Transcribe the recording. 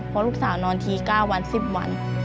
เพราะลูกสาวนอนที๙วัน๑๐วัน